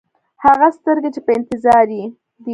هغه سترګې چې په انتظار یې دی.